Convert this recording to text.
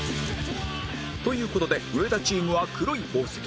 という事で上田チームは黒い宝石！